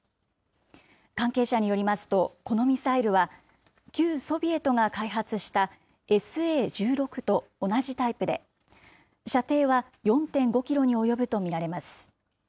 関係者によりますと、このミサイルは、旧ソビエトが開発したＳＡー１６と同じタイプで、射程は４．５キロに及ぶと見られます。